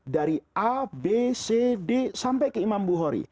dari a b c d sampai ke imam bukhori